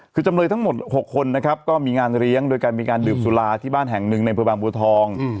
คือจำเลยทั้งหมด๖คนนะครับก็มีงานเลี้ยงโดยการมีการดื่มสุราที่บ้านแห่งหนึ่งในอำเภอบางบัวทอง